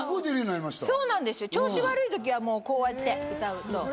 調子悪いときはもう、こうやって歌う。